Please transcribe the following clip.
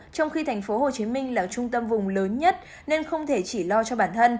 trong khi tp hcm là trung tâm vùng lớn nhất nên không thể chỉ lo cho bản thân